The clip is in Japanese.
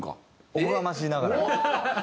おこがましいながら。